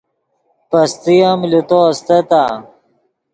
پیستے ام لے تو استتآ